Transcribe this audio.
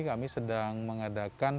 kami sedang mengadakan